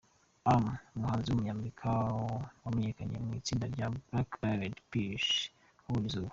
am, umuhanzi w’umunyamerika wamenyekanye mu itsinda rya The Black Eyed Peas yabonye izuba.